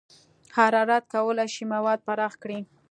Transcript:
حرارت کولی شي مواد پراخ کړي.